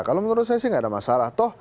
kalau menurut saya sih nggak ada masalah